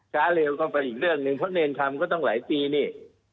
เร็วก็เป็นอีกเรื่องหนึ่งเพราะเนรทำก็ต้องหลายปีนี่